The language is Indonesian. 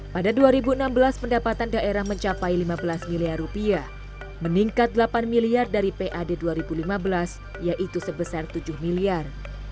pada dua ribu enam belas pendapatan daerah mencapai lima belas miliar rupiah meningkat delapan miliar dari pad dua ribu lima belas yaitu sebesar tujuh miliar